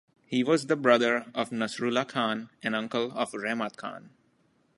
He was the brother of Nasrullah Khan and uncle of Rehmat Khan.